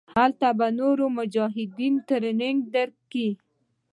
هلته به نور مجاهدين ټرېننګ دركي.